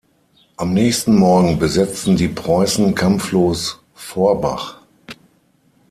Am nächsten Morgen besetzten die Preußen kampflos Forbach.